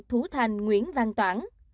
thủ thành nguyễn văn toản